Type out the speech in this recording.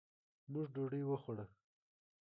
موږ ډوډۍ وخوړه.